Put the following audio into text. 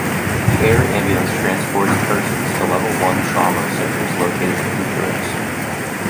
The air ambulance transports persons to Level One trauma centers located in Bucharest.